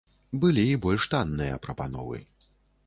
Былі і больш танныя прапановы.